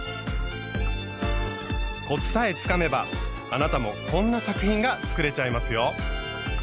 コツさえつかめばあなたもこんな作品が作れちゃいますよ。